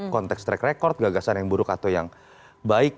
konteks track record gagasan yang buruk atau yang baik